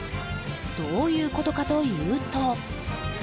どういうことかというと。